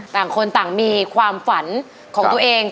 ต่างคนต่างมีความฝันของตัวเอง